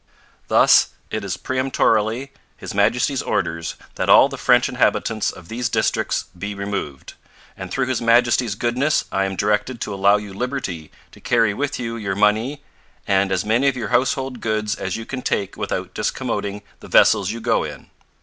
Thus it is peremptorily His Majesty's orders that all the French inhabitants of these districts be removed; and through His Majesty's goodness I am directed to allow you liberty to carry with you your money and as many of your household goods as you can take without discommoding the vessels you go in.